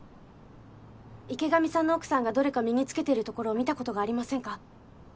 池上さんの奥さんがどれか身に着けてるところを見たことがありませんか？